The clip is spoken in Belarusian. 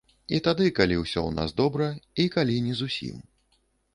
І тады, калі ўсё ў нас добра, і калі не зусім.